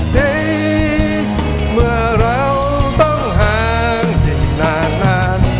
เฮ้เมื่อเราต้องหางอีกนานนาน